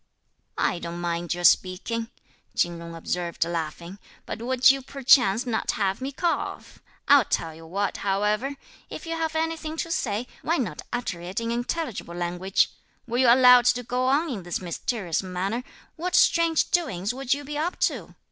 "I don't mind your speaking," Chin Jung observed laughing; "but would you perchance not have me cough? I'll tell you what, however; if you have anything to say, why not utter it in intelligible language? Were you allowed to go on in this mysterious manner, what strange doings would you be up to?